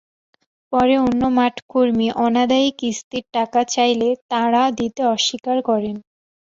পরে অন্য মাঠকর্মী অনাদায়ি কিস্তির টাকা চাইলে তাঁরা দিতে অস্বীকার করেন।